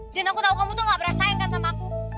dan aku tahu kamu tuh gak pernah sayangkan sama aku